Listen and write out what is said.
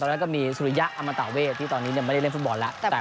ตอนนั้นก็มีสุริยะอัมตาเวทที่ตอนนี้ไม่ได้เล่นฟุตบอลแล้วแต่สุขยอดมาก